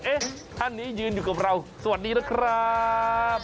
ท่านนี้ยืนอยู่กับเราสวัสดีนะครับ